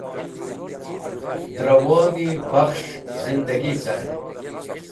Dra wodi-e bakhsh zindagi caren.